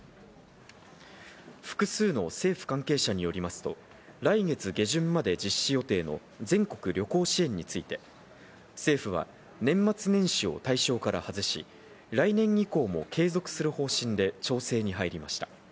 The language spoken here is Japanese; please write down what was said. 複数の政府関係者によりますと、来月下旬まで実施予定の全国旅行支援について、政府は、年末年始を対象から外し、来年以降も継続する方針で調整に入りました。